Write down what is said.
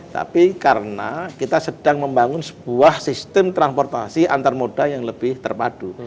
tapi karena kita sedang membangun sebuah sistem transportasi antar moda yang lebih terpadu